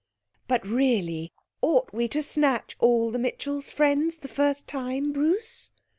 'But really! Ought we to snatch all the Mitchells' friends the first time, Bruce?'